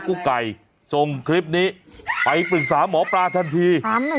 กุ๊กไก่ทรงคลิปนี้ไปปริศาน์หมอปลาทันทีทำหน่อย